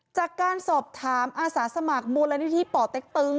จากการสอบถามอาสาสมัครมูลนิธิป่อเต็กตึง